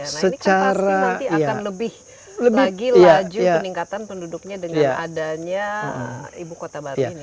nah ini kan pasti nanti akan lebih lagi laju peningkatan penduduknya dengan adanya ibu kota baru ini